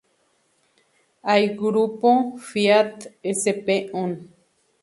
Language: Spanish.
I. grupo Fiat S. p.Un..